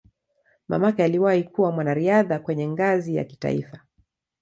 Mamake aliwahi kuwa mwanariadha kwenye ngazi ya kitaifa.